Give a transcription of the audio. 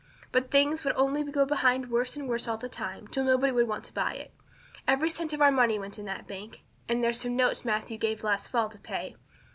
But things would only go behind worse and worse all the time, till nobody would want to buy it. Every cent of our money went in that bank; and there's some notes Matthew gave last fall to pay.